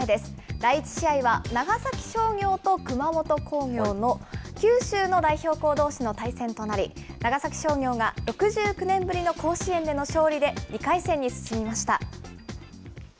第１試合は長崎商業と熊本工業の九州の代表校どうしの対戦となり、長崎商業が６９年ぶりの甲子園での勝利で、２回戦に進みました。